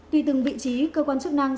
tùy từng vị trí cơ quan chức năng